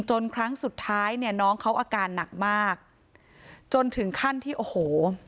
ครั้งสุดท้ายเนี่ยน้องเขาอาการหนักมากจนถึงขั้นที่โอ้โห